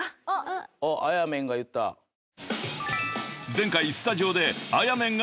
［前回スタジオであやめんが命名］